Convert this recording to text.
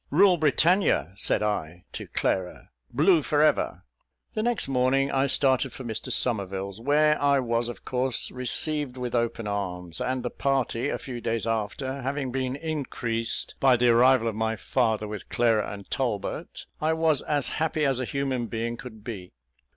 "Rule Britannia," said I to Clara; "Blue for ever!" The next morning I started for Mr Somerville's, where I was of course received with open arms; and the party, a few days after, having been increased by the arrival of my father with Clara and Talbot, I was as happy as a human being could be.